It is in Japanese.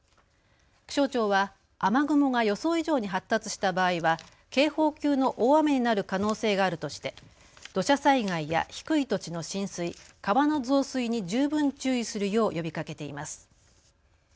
気象庁は雨雲が予想以上に発達した場合は警報級の大雨になる可能性があるとして土砂災害や低い土地の浸水、川の増水に十分注意するよう呼びかけています。